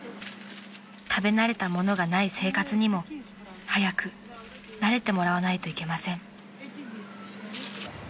［食べ慣れたものがない生活にも早く慣れてもらわないといけません］